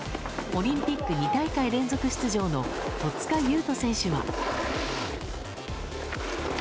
オリンピック２大会連続出場の戸塚優斗選手は。